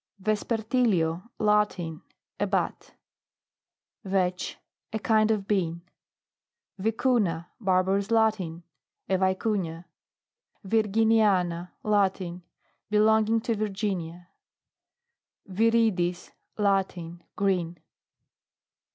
VEPPERTILIO. Latin. A bat. VETCH. A kind of bean. VICUNNA. Barbarous Latin. A vi cunia. VIRGINIANA. Latin. Belonging to Virginia. VIRIDIS. Latin. Green.